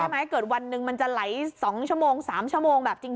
ให้เกิดวันหนึ่งมันจะไหล๒๓ชั่วโมงแบบจริง